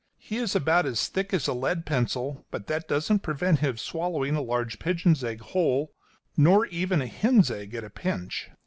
He is about as thick as a lead pencil, but that doesn't prevent his swallowing a large pigeon's egg whole, nor even a hen's egg at a pinch.